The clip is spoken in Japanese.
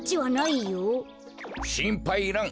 しんぱいいらん。